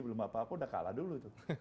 belum apa apa aku udah kalah dulu